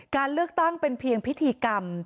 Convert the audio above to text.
การเลือกตั้งเป็นเพียงพิธีกรรม